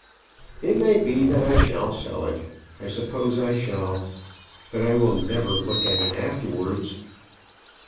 It may be that I shall sell it. I suppose I shall. But I will never look at it afterwards."